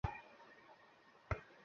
তোমার মাড ওয়েরি হয়েছিল।